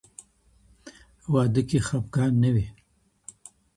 واده کي خپګان نه وي.